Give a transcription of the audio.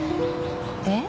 えっ？